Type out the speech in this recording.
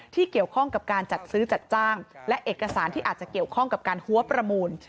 ที่เกี่ยวข้องกับการจัดซื้อจัดจ้างและเอกสารที่อาจจะเกี่ยวข้องกับการหัวประมูล